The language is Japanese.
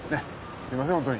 すいません本当に。